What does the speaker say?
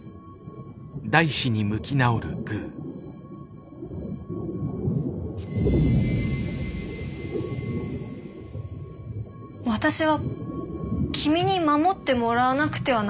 「私は君に守ってもらわなくてはならない」。